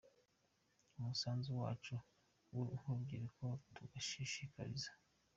Umusanzu wacu nk’urubyiruko, tugashishikariza.